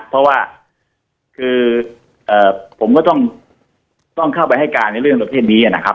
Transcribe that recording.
เพราะว่าคือผมก็ต้องเข้าไปให้การในเรื่องประเภทนี้นะครับ